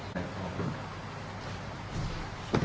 หน่อยขอบคุณครับ